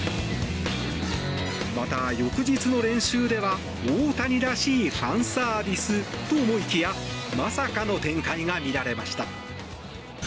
また、翌日の練習では大谷らしいファンサービスと思いきやまさかの展開が見られました。